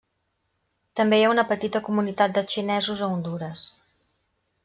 També hi ha una petita comunitat de xinesos a Hondures.